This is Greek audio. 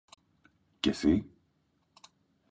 Και συ;